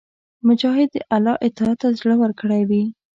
مجاهد د الله اطاعت ته زړه ورکړی وي.